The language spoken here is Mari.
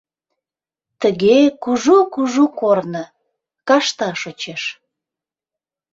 Тыге кужу-кужу корно-кашта шочеш.